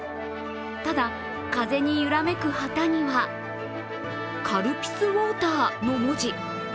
ただ、風に揺らめく旗には「カルピスウォーター」の文字。